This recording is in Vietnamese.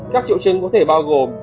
các triệu chứng có thể bao gồm